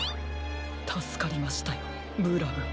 たすかりましたよブラウン。